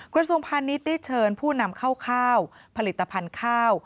กระทรวงพาณิชย์ได้เชิญผู้นำเข้าข้าวผลิตภัณฑ์ข้าว